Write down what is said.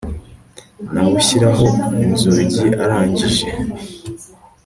nawushyiraho inzugi arangije